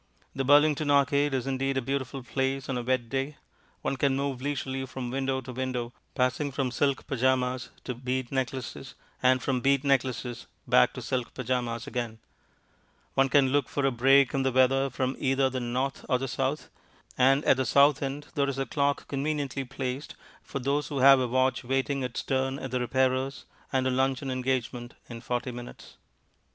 The Burlington Arcade is indeed a beautiful place on a wet day. One can move leisurely from window to window, passing from silk pyjamas to bead necklaces and from bead necklaces back to silk pyjamas again; one can look for a break in the weather from either the north or the south; and at the south end there is a clock conveniently placed for those who have a watch waiting its turn at the repairer's and a luncheon engagement in forty minutes.